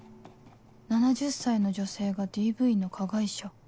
７０歳の女性が ＤＶ の加害者？